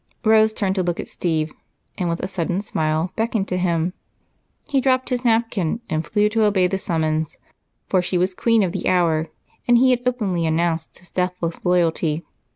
Rose turned to look at Steve and, with a sudden smile, beckoned to him. He dropped his napkin and flew to obey the summons, for she was queen of the hour, and he had openly announced his deathless loyalty.